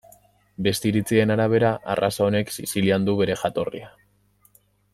Beste iritzien arabera arraza honek Sizilian du bere jatorria.